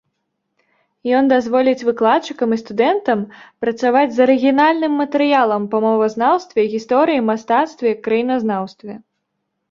Ён дазволіць выкладчыкам і студэнтам працаваць з арыгінальным матэрыялам па мовазнаўстве, гісторыі, мастацтве, краіназнаўстве.